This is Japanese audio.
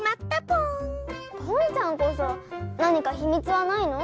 ぽんちゃんこそ何かひみつはないの？